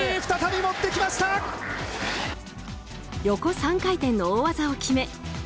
横３回転の大技を決め